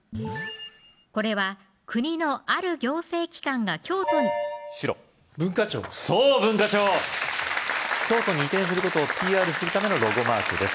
これは国のある行政機関が京都に白文化庁そう文化庁京都に移転することをＰＲするためのロゴマークです